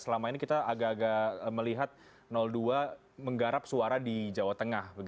selama ini kita agak agak melihat dua menggarap suara di jawa tengah